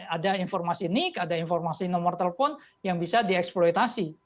ada informasi nik ada informasi nomor telepon yang bisa dieksploitasi